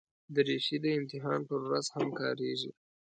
دریشي د امتحان پر ورځ هم کارېږي.